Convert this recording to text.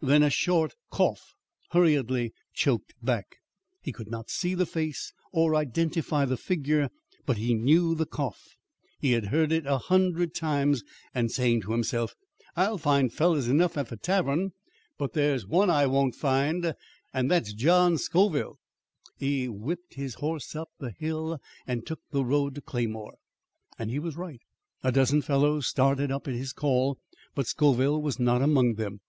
than a short cough, hurriedly choked back. He could not see the face or identify the figure, but he knew the cough. He had heard it a hundred times; and, saying to himself, 'I'll find fellers enough at the tavern, but there's one I won't find there and that's John Scoville,' he whipped his horse up the hill and took the road to Claymore. "And he was right. A dozen fellows started up at his call, but Scoville was not among them.